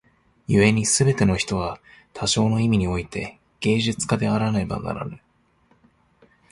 故に凡ての人は多少の意味に於て芸術家であらねばならぬ。